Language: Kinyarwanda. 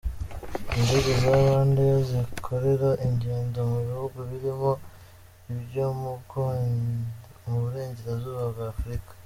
Indege za Rwandair zikorera ingendo mu bihugu birimo ibyo mu burengerazuba bwa Afrika.